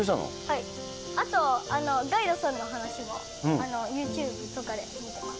あと、ガイドさんの話も、ユーチューブとかで見てます。